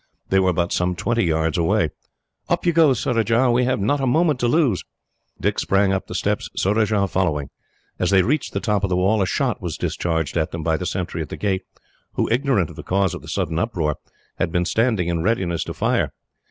They were but some twenty yards away. "Up you go, Surajah. We have not a moment to lose!" Dick sprang up the steps, Surajah following. As they reached the top of the wall, a shot was discharged at them by the sentry at the gate, who, ignorant of the cause of the sudden uproar, had been standing in readiness to fire.